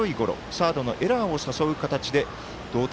サードのエラーを誘う形で同点。